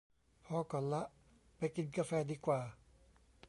พอก่อนละ ไปกินกาแฟดีกว่า